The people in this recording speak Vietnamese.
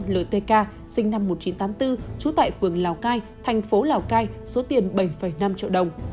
ltk sinh năm một nghìn chín trăm tám mươi bốn trú tại phường lào cai thành phố lào cai số tiền bảy năm triệu đồng